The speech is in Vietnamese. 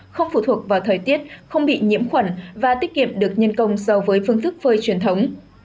không phụ thuộc vào thời tiết không bị nhiễm khuẩn và tiết kiệm được nhân công so với phương thức phơi truyền thống